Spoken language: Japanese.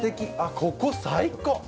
ここ最高！